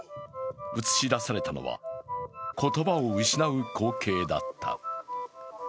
映し出されたのは、言葉を失う光景だった。